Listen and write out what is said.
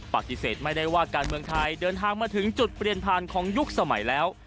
ปฏิเสธไม่ได้ว่าการเมืองไทยเดินทางมาถึงจุดเปลี่ยนผ่านของยุคสมัยแล้ว